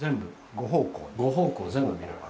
５方向全部見れる。